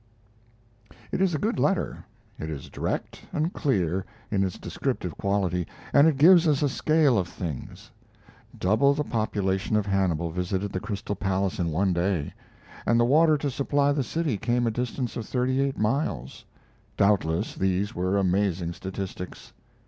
It is a good letter; it is direct and clear in its descriptive quality, and it gives us a scale of things. Double the population of Hannibal visited the Crystal Palace in one day! and the water to supply the city came a distance of thirty eight miles! Doubtless these were amazing statistics.